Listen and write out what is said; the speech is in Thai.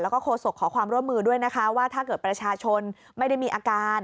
แล้วก็โศกขอความร่วมมือด้วยนะคะว่าถ้าเกิดประชาชนไม่ได้มีอาการ